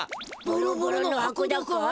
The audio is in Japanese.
ボロボロの箱だか？